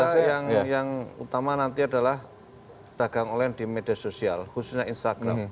saya rasa yang utama nanti adalah dagang online di media sosial khususnya instagram